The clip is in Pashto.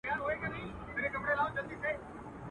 که په سېلونو توتکۍ وتلي.